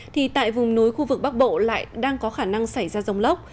thì tại vùng núi khu vực bắc bộ lại đang có khả năng xảy ra rông lốc